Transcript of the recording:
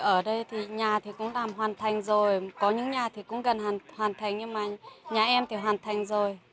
ở đây thì nhà cũng hoàn thành rồi có những nhà cũng gần hoàn thành nhưng mà nhà em thì hoàn thành rồi